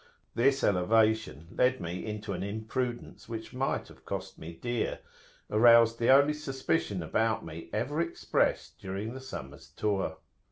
This elevation led me into an imprudence which might have cost me dear; aroused the only suspicion about me ever expressed during the summer's tour.